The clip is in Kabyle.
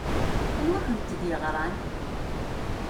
Anwi i kent-d-yeɣṛan?